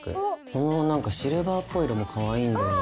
この何かシルバーっぽい色もかわいいんだよね。